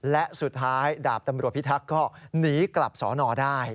และสุดท้ายดาบตำรวจพิทักษ์ก็หนีกลับสอนอได้